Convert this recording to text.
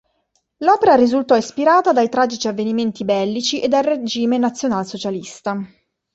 L'opera risultò ispirata dai tragici avvenimenti bellici e dal regime nazionalsocialista.